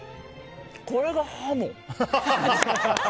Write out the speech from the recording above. これがハモ。